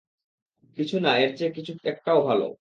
কিছু না এর চেয়ে, কিছু একটাও ভাল।